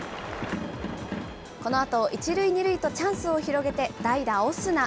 このあと１塁２塁とチャンスを広げて代打、オスナ。